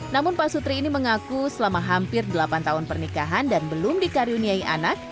namun pak sutri ini mengaku selama hampir delapan tahun pernikahan dan belum dikaruniai anak